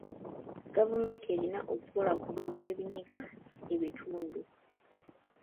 Gavumenti erina okukola ku bintu ebinyiga ebitundu.